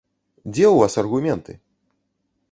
Дзе ў вас аргументы?